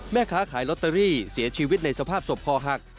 แม่ค้าขายลอตเตอรี่เสียชีวิตในสภาพศพคอหัก